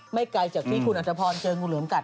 ไกลจากที่คุณอัตภพรเจองูเหลือมกัด